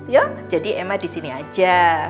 yuk jadi emang disini aja